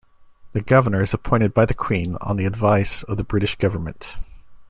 The governor is appointed by the Queen on the advice of the British government.